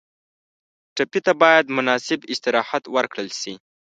ټپي ته باید مناسب استراحت ورکړل شي.